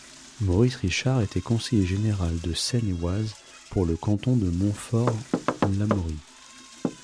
Maurice Richard était conseiller général de Seine-et-Oise pour le canton de Montfort-l'Amaury.